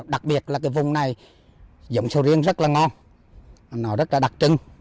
đặc biệt là cái vùng này giống sầu riêng rất là ngon nó rất là đặc trưng